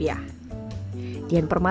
wah ini enak banget ya